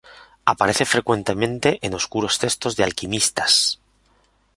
Aparece frecuentemente en oscuros textos de alquimistas.